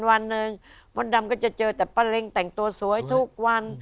มนตร์ดำก็จะเจอแต่ป้าเรงแต่งตัวสวยทุกวัน